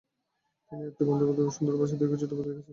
তিনি আত্মীয় ও বন্ধুবান্ধবদের সুন্দর ভাষায় দীর্ঘ চিঠিপত্র লিখেছেন।